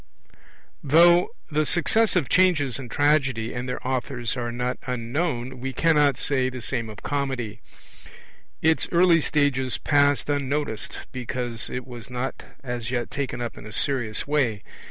Though the successive changes in Tragedy and their authors are not unknown, we cannot say the same of Comedy; its early stages passed unnoticed, because it was not as yet taken up in a serious way.